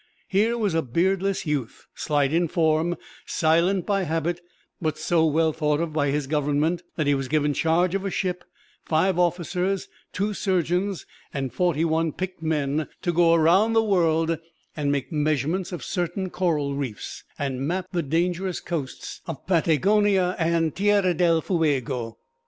Here was a beardless youth, slight in form, silent by habit, but so well thought of by his Government that he was given charge of a ship, five officers, two surgeons and forty one picked men to go around the world and make measurements of certain coral reefs, and map the dangerous coasts of Patagonia and Tierra del Fuego.